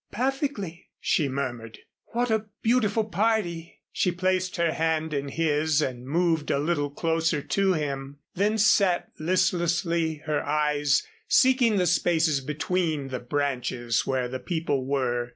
"Perfectly," she murmured. "What a beautiful party!" She placed her hand in his and moved a little closer to him, then sat listlessly, her eyes seeking the spaces between the branches where the people were.